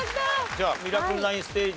では『ミラクル９』ステージ